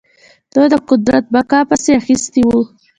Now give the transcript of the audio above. دوی د قدرت بقا پسې اخیستي وو.